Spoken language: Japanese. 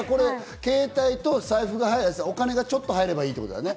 携帯と財布、お金がちょっと入ればいいってことだね。